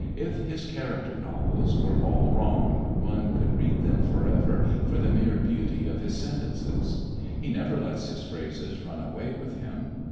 If his character novels were all wrong one could read him forever for the mere beauty of his sentences. He never lets his phrases run away with him.